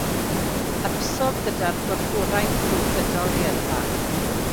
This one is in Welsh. Arhosodd gyda'r gorfforaeth drwy gydol ei yrfa.